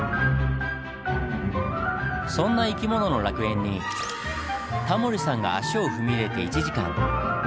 そんな生き物の楽園にタモリさんが足を踏み入れて１時間。